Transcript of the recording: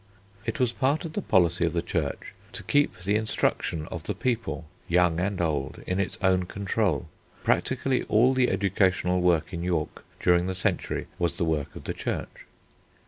It was part of the policy of the Church to keep the instruction of the people, young and old, in its own control. Practically all the educational work in York during the century was the work of the Church.